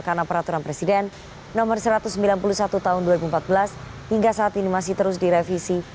karena peraturan presiden nomor satu ratus sembilan puluh satu tahun dua ribu empat belas hingga saat ini masih terus direvisi